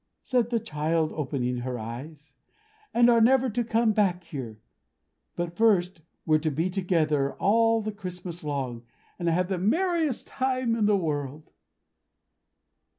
said the child, opening her eyes; "and are never to come back here: but first, we're to be together all the Christmas long, and have the merriest time in all the world."